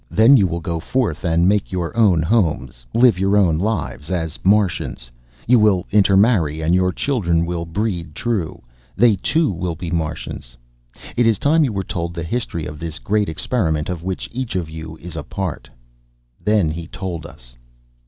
"Then you will go forth and make your own homes, live your own lives, as Martians. You will intermarry and your children will breed true. They too will be Martians. "It is time you were told the history of this great experiment of which each of you is a part." Then he told us.